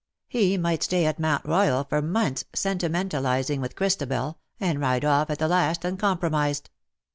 He might stay at Mount Royal for months sentimentalizing with Christabel, and ride off at the last uncompromised.